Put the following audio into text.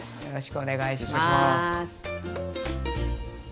よろしくお願いします。